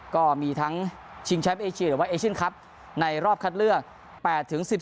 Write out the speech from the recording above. ก็มีทั้งชิงแชมป์เอเชียหรือว่าเอเชียนครับในรอบคัดเลือก๘๑๒